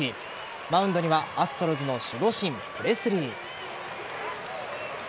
マウンドにはアストロズの守護神プレスリー。